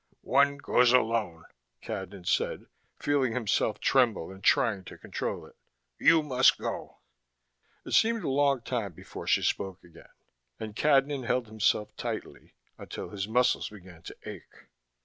"One goes alone," Cadnan said, feeling himself tremble and trying to control it. "You must go." It seemed a long time before she spoke again, and Cadnan held himself tightly, until his muscles began to ache.